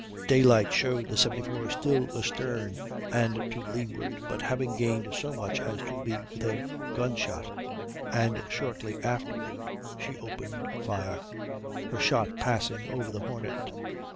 Daylight showed the 74 still astern and to leeward, but having gained so much as to be within gunshot, and shortly afterward she opened fire, her shot passing over the Hornet.